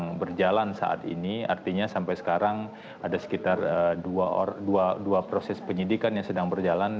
yang berjalan saat ini artinya sampai sekarang ada sekitar dua proses penyidikan yang sedang berjalan